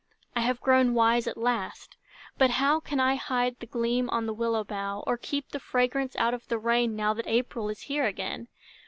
I have grown wise at last but how Can I hide the gleam on the willow bough, Or keep the fragrance out of the rain Now that April is here again?